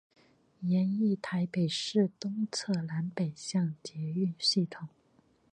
研议台北市东侧南北向捷运系统。